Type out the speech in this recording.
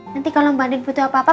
nanti kalau mbak nik butuh apa apa